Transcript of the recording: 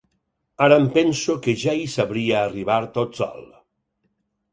Ara em penso que ja hi sabria arribar tot sol.